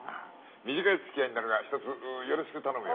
短いつきあいになるがひとつよろしく頼むよ。